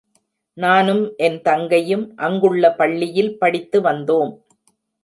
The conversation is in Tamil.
நானும் என் தங்கையும் அங்குள்ள பள்ளியில் படித்து வந்தோம்.